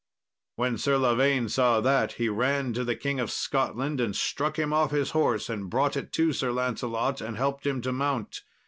When Sir Lavaine saw that, he ran to the King of Scotland and struck him off his horse, and brought it to Sir Lancelot, and helped him to mount.